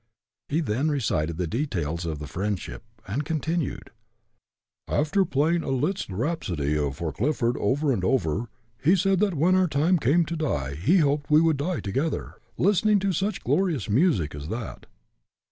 He then recited the details of the friendship, and continued: "After playing a Liszt rhapsody for Clifford over and over, he said that when our time to die came he hoped we would die together, listening to such glorious music as that.